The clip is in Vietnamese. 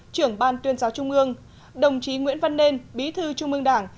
trưởng ban tuyên giáo trung ương đồng chí nguyễn văn nên bí thư trung ương đảng